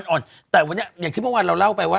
คุณผู้ชมขายังจริงท่านออกมาบอกว่า